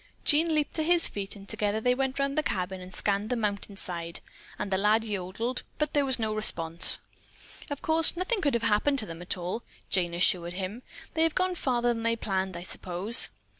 Jean leaped to his feet and together they went around the cabin and scanned the mountain side and the lad yodeled, but there was no response. "Of course, nothing could have happened to them all," Jane assured him. "They have gone farther than they planned, I suppose."